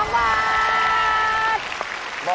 ๒๒บาท